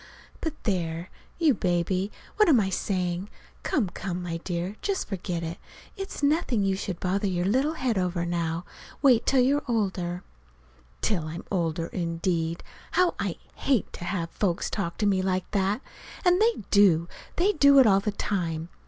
But, there, you baby! What am I saying? Come, come, my dear, just forget it. It's nothing you should bother your little head over now. Wait till you're older." Till I'm older, indeed! How I hate to have folks talk to me like that! And they do they do it all the time.